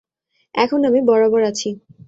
আমি এখন বরাবর আছি।